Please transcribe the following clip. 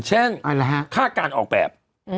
เช่นอะไรแหละฮะค่าการออกแบบอ๋อ